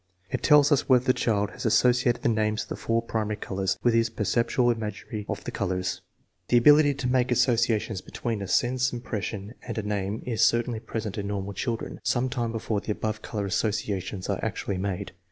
It tells us whether the child has associated the names of the four primary colors with his perceptual imagery of those colors. The ability to make simple associations between a sense impression and a name is certainly present in normal chil dren some time before the above color associations are actually made.